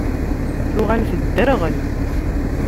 Tuɣal tedderɣel.